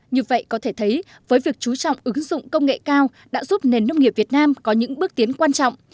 như vậy có thể thấy với việc chú trọng ứng dụng công nghệ cao đã giúp nền nông nghiệp việt nam có những bước tiến quan trọng